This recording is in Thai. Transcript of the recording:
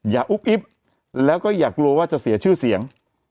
อุ๊บอิ๊บแล้วก็อย่ากลัวว่าจะเสียชื่อเสียง